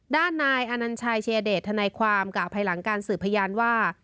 ด้านนายอนัญชัยชายเดชทนายความกล่าวภายหลังการสืบพยานว่า